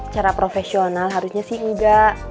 cara profesional harusnya sih enggak